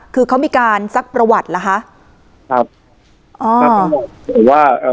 คือเขามีการซักประวัติล่ะคะครับอ๋อหรือว่าเอ่อ